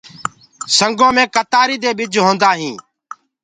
سنگو دي ڪتآري مي ڀج هوندآ هينٚ۔